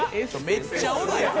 めっちゃおるやん！